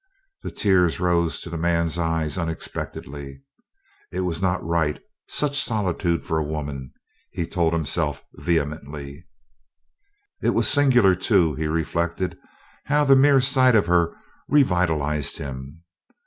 The tears rose to the man's eyes unexpectedly. It was not right, such solitude for a woman, he told himself vehemently. It was singular, too, he reflected, how the mere sight of her revitalized him.